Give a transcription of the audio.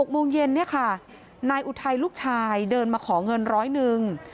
โมงเย็นเนี่ยค่ะนายอุทัยลูกชายเดินมาขอเงินร้อยหนึ่ง